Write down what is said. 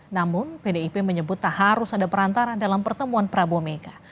namun pdip menyebut tak harus ada perantaran dalam pertemuan prabowo mega